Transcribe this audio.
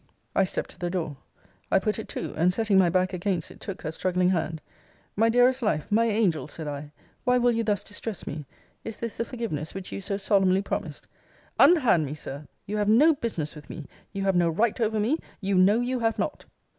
I stepped to the door: I put it to; and setting my back against it, took her struggling hand My dearest life! my angel! said I, why will you thus distress me? Is this the forgiveness which you so solemnly promised? Unhand me, Sir! You have no business with me! You have no right over me! You know you have not.